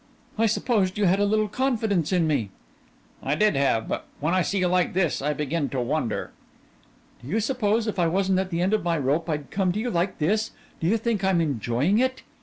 "I supposed you had a little confidence in me." "I did have but when I see you like this I begin to wonder." "Do you suppose if I wasn't at the end of my rope I'd come to you like this? Do you think I'm enjoying it?"